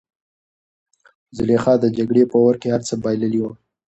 زلیخا د جګړې په اور کې هر څه بایللي وو.